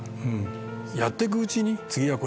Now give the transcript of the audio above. やってくうちに次はこれ！